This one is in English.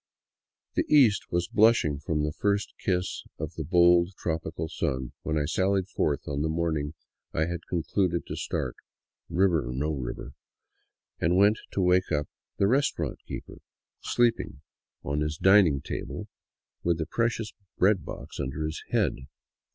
The east was blushing from the first kiss of the bold, tropical sun when I sallied forth on the morning I had concluded to start, river or no river, and went to wake up the " restaurant " keeper, sleeping on his 247 VAGABONDING DOWN THE ANDES dining table with the precious bread box under his head.